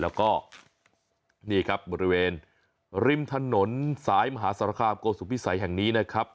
แล้วก็นี่ครับบริเวณริมถนนสายมหาสารคามโกสุพิสัยแห่งนี้นะครับ